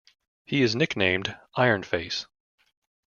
He is nicknamed "Iron Face".